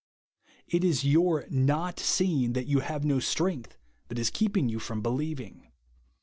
It is your not seeing that you have no strengilt that is keeping you from believing.